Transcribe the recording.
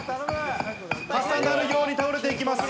重なるように倒れていきます。